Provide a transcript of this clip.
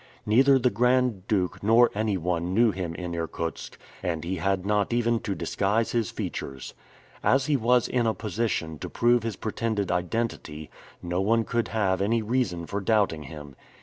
Neither the Grand Duke nor anyone knew him in Irkutsk, and he had not even to disguise his features. As he was in a position to prove his pretended identity, no one could have any reason for doubting him.